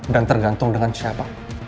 dan tergantung dengan siapa